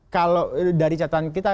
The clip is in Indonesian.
kalau dari catatan kita